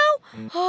tunggu tunggu tunggu